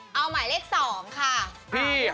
เสาคำยันอาวุธิ